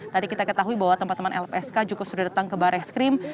tadi kita ketahui bahwa teman teman lpsk juga sudah datang ke baris krim